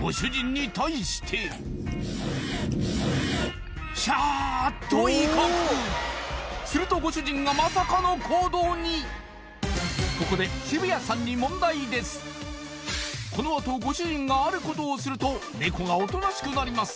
ご主人に対して「シャー」と威嚇するとご主人がまさかの行動にここでこのあとご主人があることをするとネコがおとなしくなります